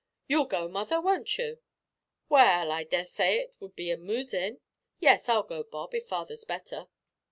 You'll go mother, won't you?" "Well, I dessay it would be amoosin'; yes, I'll go, Bob, if father's better."